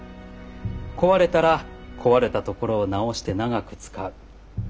壊れたら壊れたところを直して長く使う。